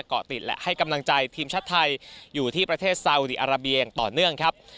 เกาะติดและให้กำลังใจทีมชาติไทยอยู่ที่ประเทศซาอุดีอาราเบียอย่างต่อเนื่องครับ